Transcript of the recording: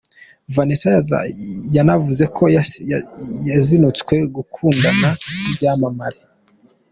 Vanessa yanavuze ko yazinutswe gukundana n’ibyamamare.